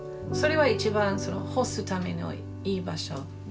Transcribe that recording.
それは一番干すためのいい場所。